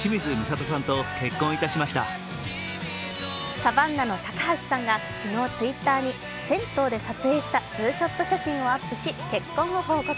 サバンナの高橋さんが昨日Ｔｗｉｔｔｅｒに銭湯で撮影したツーショット写真をアップし、結婚を報告。